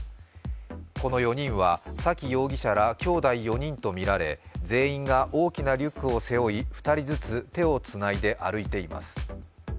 この４人は沙喜容疑者らきょうだい４人とみられ全員が大きなリュックを背負い、２人ずつ手をつないで歩いています